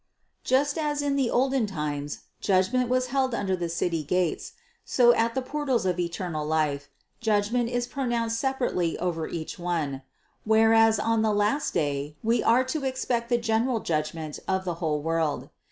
Just as in the olden times judgment was held under the city gates, so at the portals of eternal life, judgment is pro nounced separately over each one; whereas on the last day we are to expect the general judgment of the whole world.